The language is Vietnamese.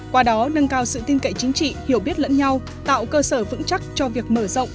qua đó nâng cao sự tin cậy chính trị hiểu biết lẫn nhau tạo cơ sở vững chắc cho việc mở rộng